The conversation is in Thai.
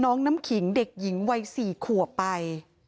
น้องน้ำขิงเด็กหญิงวัย๔ขัวไป